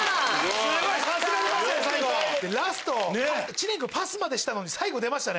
知念君パスしたのに最後出ましたね。